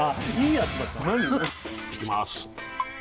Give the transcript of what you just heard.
いきます